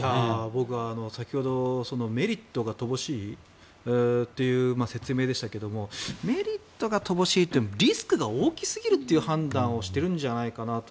僕、先ほどメリットが乏しいという説明でしたけどメリットが乏しいというよりもリスクが大きすぎるという判断をしているんじゃないかなと。